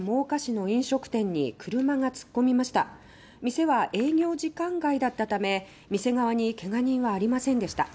店は営業時間外だっため店側にけが人はありませんでした。